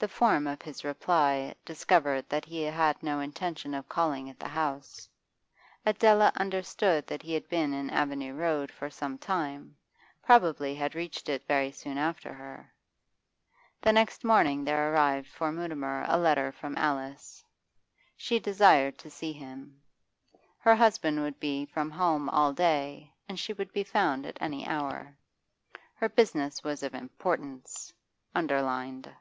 The form of his reply discovered that he had no intention of calling at the house; Adela understood that he had been in Avenue Road for some time, probably had reached it very soon after her. The next morning there arrived for Mutimer a letter from Alice. She desired to see him; her husband would be from home all day, and she would be found at any hour; her business was of importance underlined.